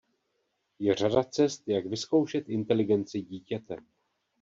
Je řada cest, jak vyzkoušet inteligenci dítěte.